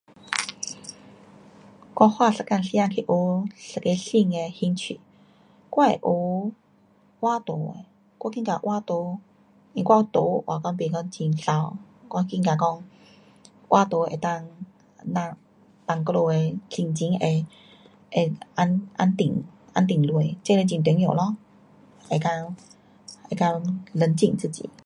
我花一天时间去学一个新的兴趣，我会学画图，我觉得讲画图，是我图画讲不讲很美，我觉得讲画图能够那放我们的心情会，会安，安定，安定下，这是很重要咯，能够，能够冷静自己。